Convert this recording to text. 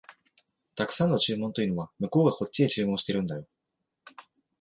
沢山の注文というのは、向こうがこっちへ注文してるんだよ